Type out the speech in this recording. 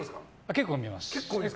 結構見えます。